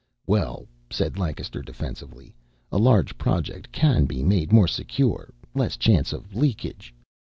"Well," said Lancaster defensively, "a large Project can be made more secure less chance of leakage."